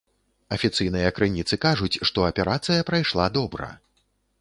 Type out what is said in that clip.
Афіцыйныя крыніцы кажуць, што аперацыя прайшла добра.